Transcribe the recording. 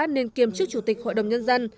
nên kiêm chức chủ tịch hội đồng nhân dân